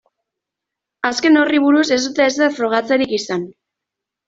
Azken horri buruz ez dute ezer frogatzerik izan.